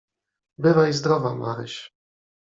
"Bywaj zdrowa, Maryś."